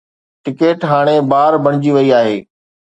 Ticket هاڻي بار بڻجي وئي آهي.